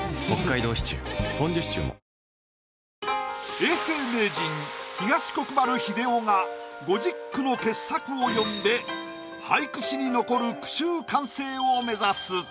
永世名人東国原英夫が５０句の傑作を詠んで俳句史に残る句集完成を目指す。